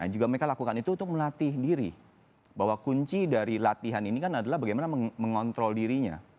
yang juga mereka lakukan itu untuk melatih diri bahwa kunci dari latihan ini kan adalah bagaimana mengontrol dirinya